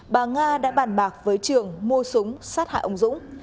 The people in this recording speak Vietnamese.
bà nga đã bàn bạc với trường mua súng sát hại ông dũng